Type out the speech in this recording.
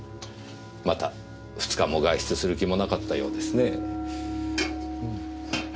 また２日も外出する気もなかったようですね。